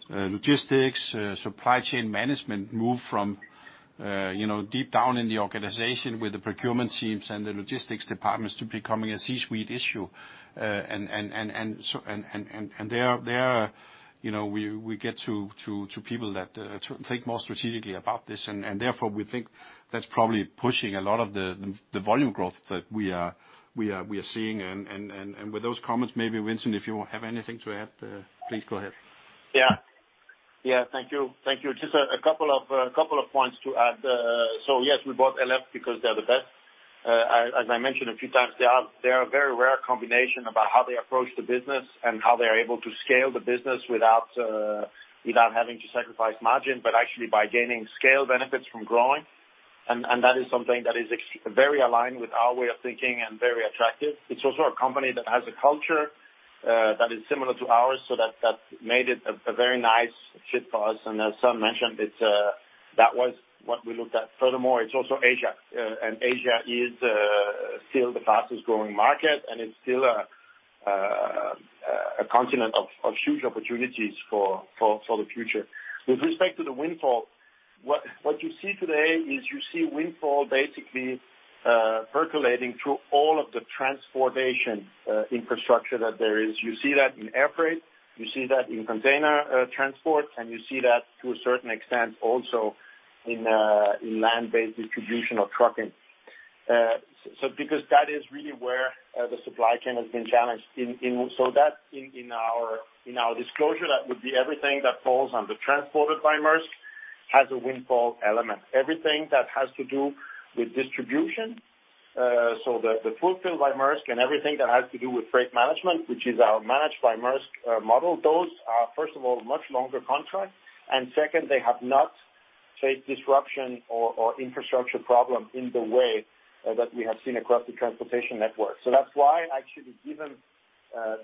logistics supply chain management move from you know deep down in the organization with the procurement teams and the logistics departments to becoming a C-suite issue. They are you know we get to people that think more strategically about this. Therefore, we think that's probably pushing a lot of the volume growth that we are seeing. With those comments, maybe Vincent, if you have anything to add, please go ahead. Thank you. Just a couple of points to add. So yes, we bought LF because they're the best. As I mentioned a few times, they are a very rare combination about how they approach the business and how they are able to scale the business without having to sacrifice margin, but actually by gaining scale benefits from growing. That is something that is very aligned with our way of thinking and very attractive. It's also a company that has a culture that is similar to ours, so that made it a very nice fit for us. As Søren mentioned, that was what we looked at. Furthermore, it's also Asia, and Asia is still the fastest growing market, and it's still a continent of huge opportunities for the future. With respect to the windfall, what you see today is you see windfall basically percolating through all of the transportation infrastructure that there is. You see that in airfreight, you see that in container transport, and you see that to a certain extent also in land-based distribution or trucking. Because that is really where the supply chain has been challenged. That's in our disclosure that would be everything that falls under Transported by Maersk has a windfall element. Everything that has to do with distribution, so the Fulfilled by Maersk and everything that has to do with freight management, which is our Managed by Maersk model, those are, first of all, much longer contracts. Second, they have not faced disruption or infrastructure problems in the way that we have seen across the transportation network. That's why actually, given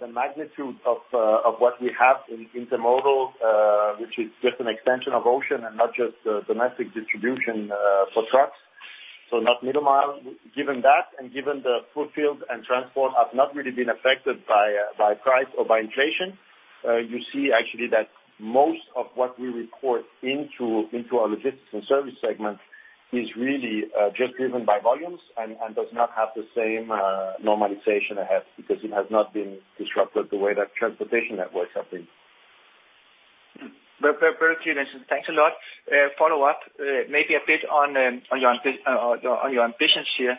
the magnitude of what we have in intermodal, which is just an extension of ocean and not just domestic distribution for trucks, so not middle mile. Given that and given the Fulfilled and Transported have not really been affected by price or by inflation, you see actually that most of what we report into our Logistics & Services segment is really just driven by volumes and does not have the same normalization ahead because it has not been disrupted the way that transportation networks have been. Very, very clear, Vincent. Thanks a lot. Follow up, maybe a bit on your ambitions here.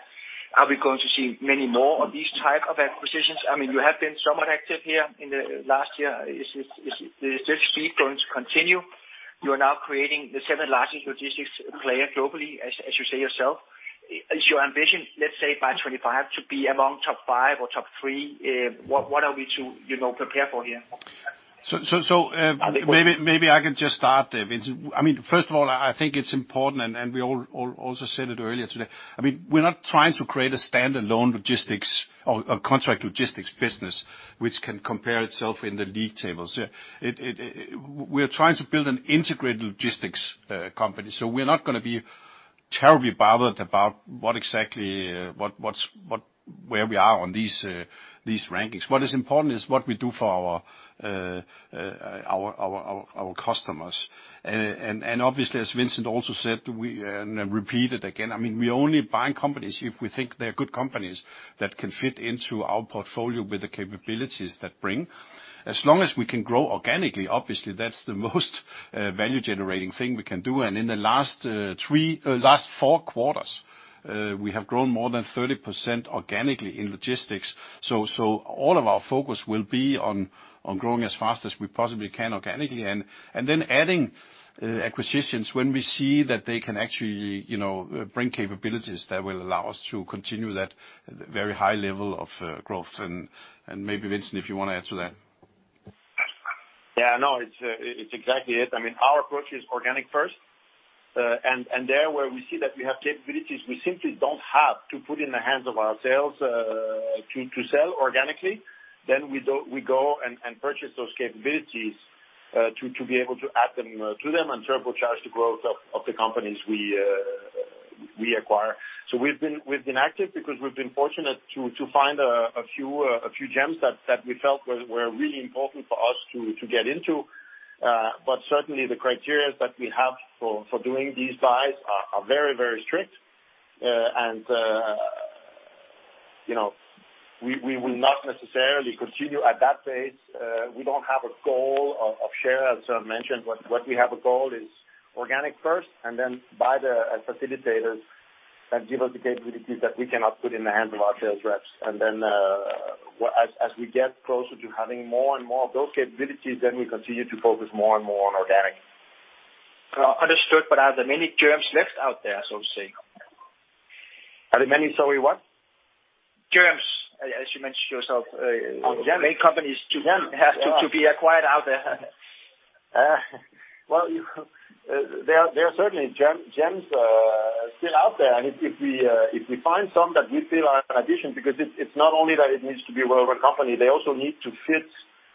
Are we going to see many more of these type of acquisitions? I mean, you have been somewhat active here in the last year. Is this speed going to continue? You are now creating the seventh largest logistics player globally, as you say yourself. Is your ambition, let's say, by 2025, to be among top five or top three? What are we to, you know, prepare for here? I can just start there, Vincent. I mean, first of all, I think it's important, and we all also said it earlier today. I mean, we're not trying to create a standalone logistics or a contract logistics business, which can compare itself in the league tables. We're trying to build an integrated logistics company. We're not gonna be terribly bothered about exactly where we are on these rankings. What is important is what we do for our customers. Obviously, as Vincent also said, we repeat it again, I mean, we're only buying companies if we think they're good companies that can fit into our portfolio with the capabilities that bring. As long as we can grow organically, obviously, that's the most value-generating thing we can do. In the last four quarters, we have grown more than 30% organically in logistics. All of our focus will be on growing as fast as we possibly can organically, and then adding acquisitions when we see that they can actually, you know, bring capabilities that will allow us to continue that very high level of growth. Maybe, Vincent, if you wanna add to that. Yeah, no, it's exactly it. I mean, our approach is organic first. There where we see that we have capabilities we simply don't have to put in the hands of our sales to sell organically, then we go and purchase those capabilities to be able to add them to them and turbocharge the growth of the companies we acquire. We've been active because we've been fortunate to find a few gems that we felt were really important for us to get into. Certainly the criteria that we have for doing these buys are very strict. You know, we will not necessarily continue at that pace. We don't have a goal of share, as Søren mentioned, but what we have a goal is organic first and then buy the facilitators that give us the capabilities that we cannot put in the hands of our sales reps. As we get closer to having more and more of those capabilities, we continue to focus more and more on organic. Understood. Are there many gems left out there, so to say? Are there many? Sorry, what? Gems, as you mentioned yourself, Oh, gems. Many companies to Gems. Yeah... have to be acquired out there. Well, there are certainly gems still out there. If we find some that we feel are an addition, because it's not only that it needs to be a well-run company, they also need to fit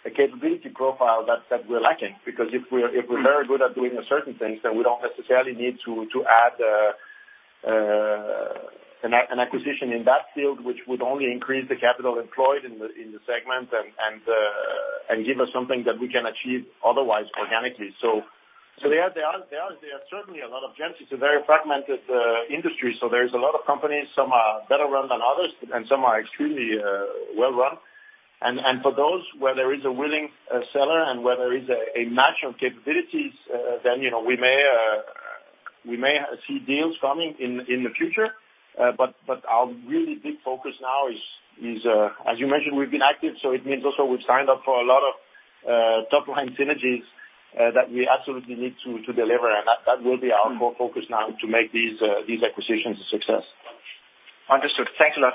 a capability profile that we're lacking. Because if we're very good at doing certain things, then we don't necessarily need to add an acquisition in that field, which would only increase the capital employed in the segment and give us something that we can achieve otherwise organically. There are certainly a lot of gems. It's a very fragmented industry, so there's a lot of companies. Some are better run than others, and some are extremely well run. For those where there is a willing seller and where there is a match of capabilities, then, you know, we may see deals coming in in the future. But our really big focus now is, as you mentioned, we've been active, so it means also we've signed up for a lot of top-line synergies that we absolutely need to deliver. That will be our main focus now to make these acquisitions a success. Understood. Thanks a lot.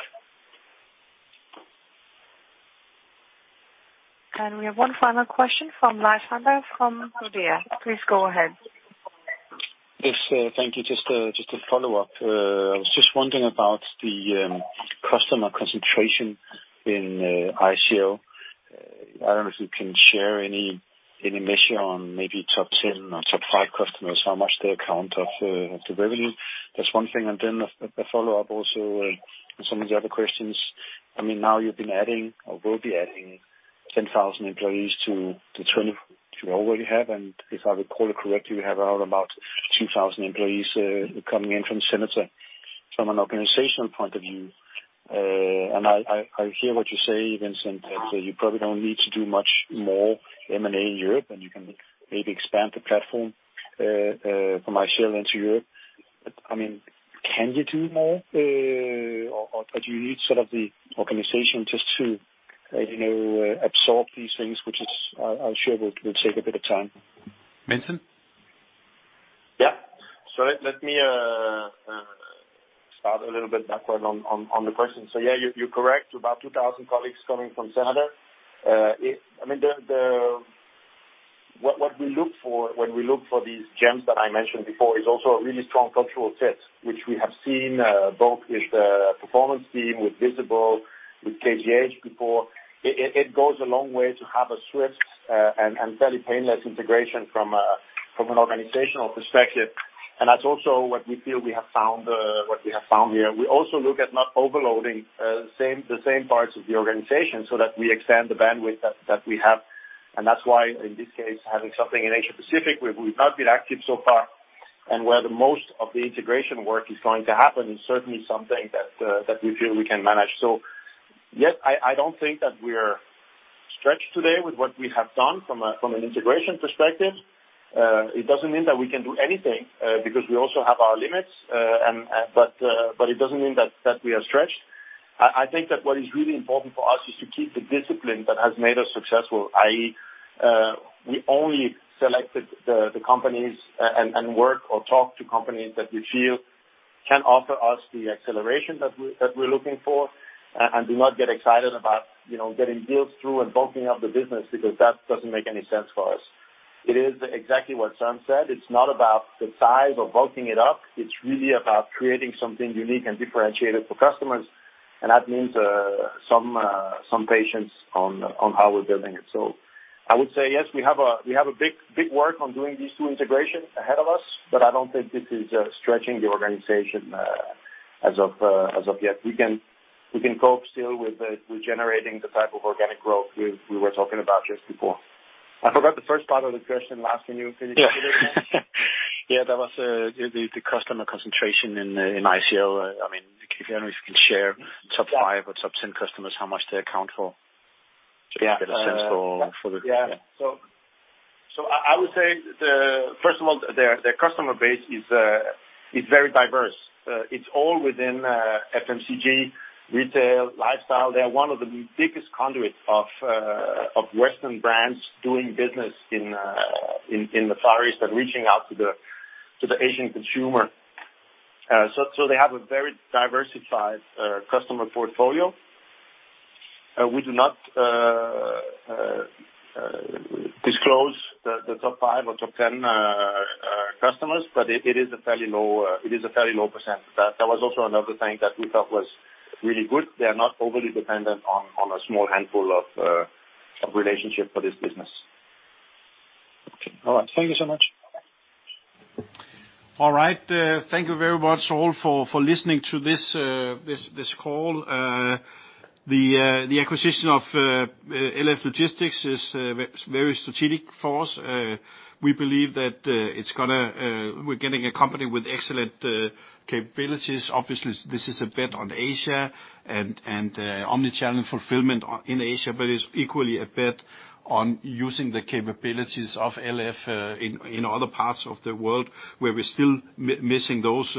We have one final question from Lars Heindorff from Nordea. Please go ahead. Yes, sir. Thank you. Just a follow-up. I was just wondering about the customer concentration in ICL. I don't know if you can share any measure on maybe top 10 or top 5 customers, how much they account for the revenue. That's one thing. A follow-up also on some of the other questions. I mean, now you've been adding or will be adding 10,000 employees to 20 you already have, and if I recall it correctly, you have about 2,000 employees coming in from Senator. From an organizational point of view, I hear what you say, Vincent, that you probably don't need to do much more M&A in Europe, and you can maybe expand the platform from ICL into Europe. I mean, can you do more, or do you need sort of the organization just to, you know, absorb these things, which I'm sure will take a bit of time? Vincent? Yeah. Let me start a little bit backward on the question. Yeah, you're correct, about 2,000 colleagues coming from Senator. I mean, what we look for when we look for these gems that I mentioned before is also a really strong cultural fit, which we have seen both with the Performance Team, with Visible, with KGH before. It goes a long way to have a swift and fairly painless integration from an organizational perspective. That's also what we feel we have found here. We also look at not overloading the same parts of the organization so that we extend the bandwidth that we have. That's why, in this case, having something in Asia Pacific where we've not been active so far and where the most of the integration work is going to happen is certainly something that we feel we can manage. Yes, I don't think that we're stretched today with what we have done from an integration perspective. It doesn't mean that we can do anything because we also have our limits. But it doesn't mean that we are stretched. I think that what is really important for us is to keep the discipline that has made us successful, i.e., we only selected the companies and work or talk to companies that we feel can offer us the acceleration that we're looking for, and do not get excited about, you know, getting deals through and bulking up the business because that doesn't make any sense for us. It is exactly what Søren said. It's not about the size or bulking it up. It's really about creating something unique and differentiated for customers, and that means some patience on how we're building it. I would say yes, we have a big work on doing these two integrations ahead of us, but I don't think this is stretching the organization as of yet. We can cope still with generating the type of organic growth we were talking about just before. I forgot the first part of the question. Lars, can you repeat it again? Yeah. That was the customer concentration in ICL. I mean, if you can share top five or top 10 customers, how much they account for? Yeah. Just to get a sense for the I would say the first of all, their customer base is very diverse. It's all within FMCG, retail, lifestyle. They are one of the biggest conduits of Western brands doing business in the Far East and reaching out to the Asian consumer. They have a very diversified customer portfolio. We do not disclose the top five or top ten customers, but it is a fairly low percent. That was also another thing that we thought was really good. They are not overly dependent on a small handful of relationships for this business. Okay. All right. Thank you so much. All right. Thank you very much all for listening to this call. The acquisition of LF Logistics is very strategic for us. We believe that it's gonna. We're getting a company with excellent capabilities. Obviously, this is a bet on Asia and omnichannel and fulfillment in Asia, but it's equally a bet on using the capabilities of LF in other parts of the world where we're still missing those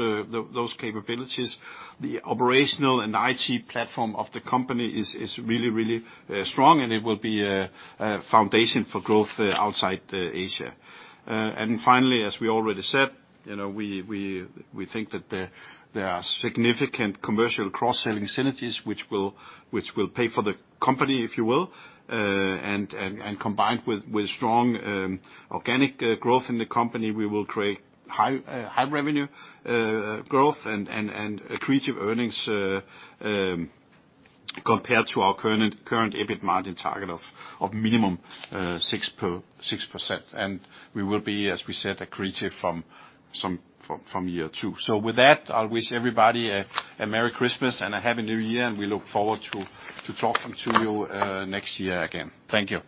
capabilities. The operational and IT platform of the company is really strong, and it will be a foundation for growth outside Asia. Finally, as we already said, you know, we think that there are significant commercial cross-selling synergies which will pay for the company, if you will. Combined with strong organic growth in the company, we will create high revenue growth and accretive earnings compared to our current EBIT margin target of minimum 6%. We will be, as we said, accretive from year two. With that, I'll wish everybody a merry Christmas and a happy New Year, and we look forward to talking to you next year again. Thank you.